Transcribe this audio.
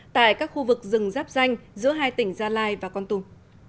tại các khu vực rừng rắp danh giữa hai tỉnh gia lai và con tùng